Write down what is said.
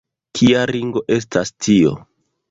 kia ringo estas tio?